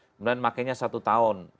kemudian makanya satu tahun